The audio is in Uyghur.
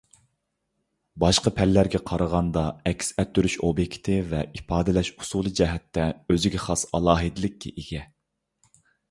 باشقا پەنلەرگە قارىغاندا ئەكس ئەتتۈرۈش ئوبيېكتى ۋە ئىپادىلەش ئۇسۇلى جەھەتتە ئۆزىگە خاس ئالاھىدىلىككە ئىگە.